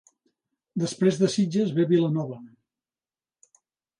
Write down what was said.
Després de Sitges ve Vilanova.